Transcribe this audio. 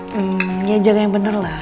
hmm ya jaga yang benar lah